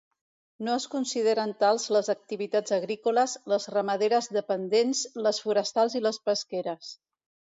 No es consideren tals les activitats agrícoles, les ramaderes dependents, les forestals i les pesqueres.